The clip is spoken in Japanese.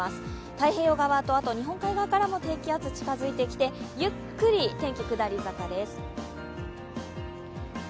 太平洋側と日本海側も低気圧が近づいてきてゆっくり天気は下り坂です。